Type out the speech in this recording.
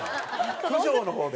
九条の方で？